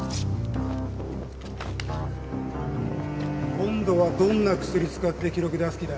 今度はどんな薬使って記録出す気だ？